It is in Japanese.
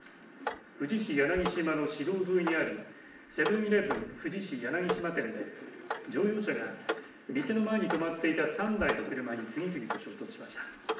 富士市柳島の市道沿いにあるセブンイレブン富士市柳島店で乗用車が店の前に止まっていた３台の車に次々と衝突しました。